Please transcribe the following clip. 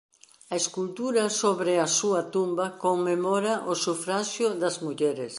A escultura sobre a súa tumba conmemora o «sufraxio das mulleres».